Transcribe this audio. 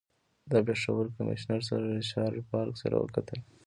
له پېښور کمیشنر سر ریچارډ پالک سره وکتل.